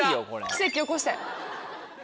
奇跡起こして。